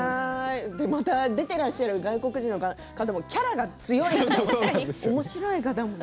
出ていらっしゃる外国人の方もキャラが強いですね。